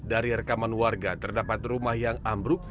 dari rekaman warga terdapat rumah yang ambruk